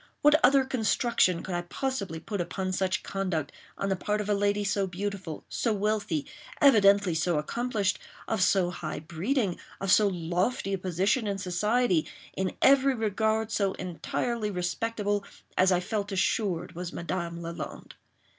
What other construction could I possibly put upon such conduct, on the part of a lady so beautiful—so wealthy—evidently so accomplished—of so high breeding—of so lofty a position in society—in every regard so entirely respectable as I felt assured was Madame Lalande?